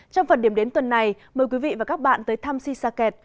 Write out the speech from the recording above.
trong phần điểm đến tuần này mời quý vị và các bạn tới thăm si sa kẹt